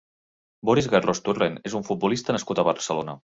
Boris Garrós Torrent és un futbolista nascut a Barcelona.